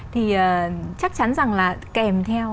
thì chắc chắn rằng là kèm theo